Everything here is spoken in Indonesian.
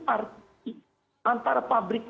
arti antara pabrik